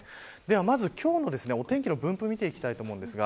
まず、今日のお天気の分布を見ていきたいと思います。